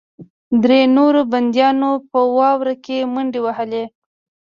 درې نورو بندیانو په واوره کې منډې وهلې